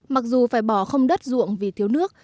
mặc dù phải bỏ không đất ruộng vì thiếu nước